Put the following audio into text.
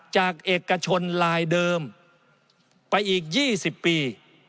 จากเอกชนลายเดิมไปอีก๒๐ปี